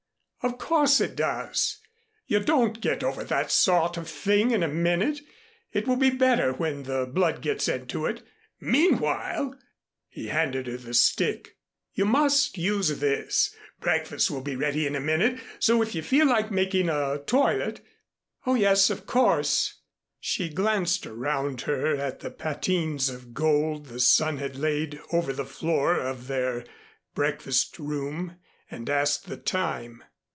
"Of course it does. You don't get over that sort of thing in a minute. It will be better when the blood gets into it. Meanwhile," he handed her the stick, "you must use this. Breakfast will be ready in a minute, so if you feel like making a toilet " "Oh, yes, of course," she glanced around her at the patines of gold the sun had laid over the floor of their breakfast room and asked the time.